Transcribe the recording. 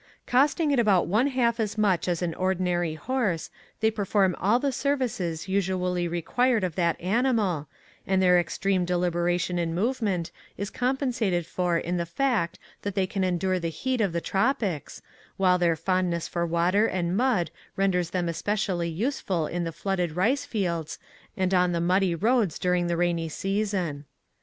Costing about one half as much as an ordinary horse, they perform all the services usually required of that animal, and their extreme deliberation in movement is compensated for in the fact that they can endure the heat of the tropics, while their fondness for water and mud renders them especially useful in the flooded rice fields and on the muddy roads during the rainy season.